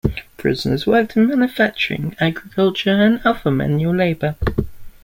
Prisoners worked in manufacturing, agriculture and other manual labor.